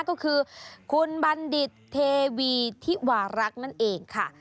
ก็คือคุณบัณฑิตเทวีธิวารักษ์นั่นเองค่ะ